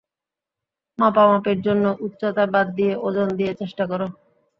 মাপামাপির জন্য উচ্চতা বাদ দিয়ে ওজন দিয়ে চেষ্টা কর।